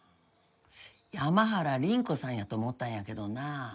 山原倫子さんやと思ったんやけどな。